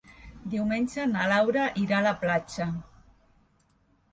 Diumenge na Laura irà a la platja.